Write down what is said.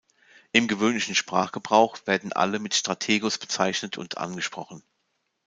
Im gewöhnlichen Sprachgebrauch werden alle mit "Strategos" bezeichnet und angesprochen.